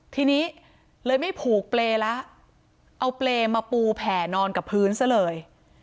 ทีนี้เลยไม่ผูกเปรย์แล้วเอาเปรย์มาปูแผ่นอนกับพื้นซะเลย